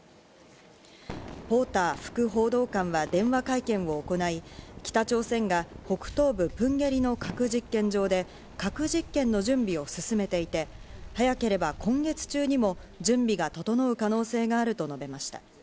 ポーター副報道官は電話会見を行い、北朝鮮が北東部プンゲリの核実験場で核実験の準備を進めていて、早ければ今月中にも準備が整う可能性があると述べました。